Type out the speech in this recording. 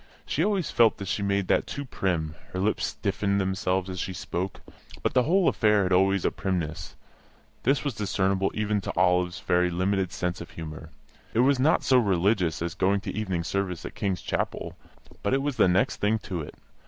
She always felt that she made that too prim; her lips stiffened themselves as she spoke. But the whole affair had always a primness; this was discernible even to Olive's very limited sense of humour. It was not so religious as going to evening service at King's Chapel; but it was the next thing to it.